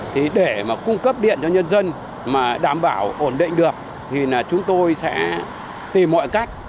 thì để mà cung cấp điện cho nhân dân mà đảm bảo ổn định được thì là chúng tôi sẽ tìm mọi cách